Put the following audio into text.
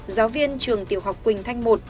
giáo viên trường tiểu học quỳnh thanh i